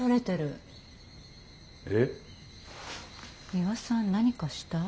ミワさん何かした？